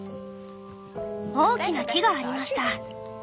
「大きな木がありました。